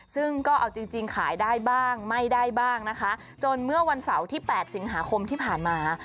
ซึ่งก็เอาจริงขายได้บ้างไม่ได้บ้างนะคะจนเมื่อวันเสาร์ที่๘สิงหาคมที่ผ่านมา